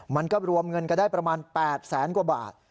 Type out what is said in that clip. มันก็รวมเงินกันได้ประมาณ๘แสนกว่าบาท